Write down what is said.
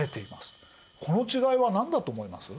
この違いは何だと思います？